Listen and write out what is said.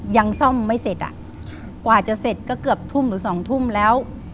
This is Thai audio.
ยังซ่อมไม่เสร็จอ่ะกว่าจะเสร็จก็เกือบทุ่มหรือสองทุ่มแล้ว